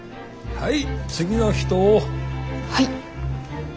はい。